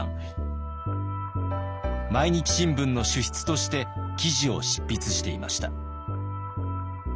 「毎日新聞」の主筆として記事を執筆していました。